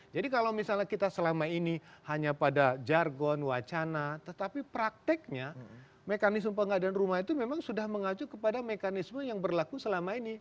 jadi kalau misalnya kita selama ini hanya pada jargon wacana tetapi prakteknya mekanisme pengadaan rumah itu memang sudah mengacu kepada mekanisme yang berlaku selama ini